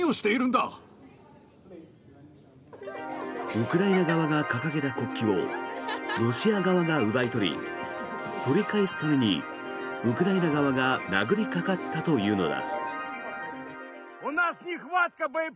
ウクライナ側が掲げた国旗をロシア側が奪い取り取り返すためにウクライナ側が殴りかかったというのだ。